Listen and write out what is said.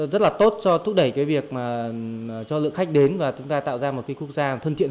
rất là tốt cho thúc đẩy việc cho lượng khách đến và chúng ta tạo ra một quốc gia thân thiện